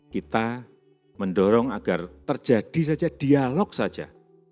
kita mendorong agar terjadi saja dialog saja